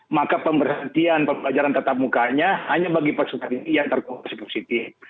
maka penghentian pembelajaran kata pemuka hanya bagi peserta yang terkompensasi positif